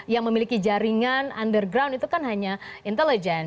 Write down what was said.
yang memiliki jaringan underground itu kan hanya intelijen